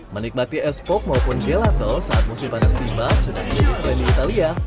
menikmati es pop maupun gelato saat musim panas tiba sudah milih di keren di italia